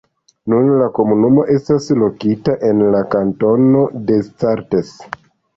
Nun, la komunumo estas lokita en la kantono Descartes.